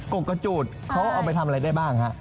กกะจูดเขาเอาไปทำอะไรได้บ้างฮะ